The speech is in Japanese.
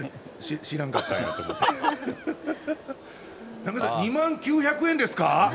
中山さん、２万９００円ですか？